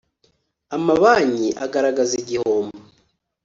amabanki agaragaza igihombo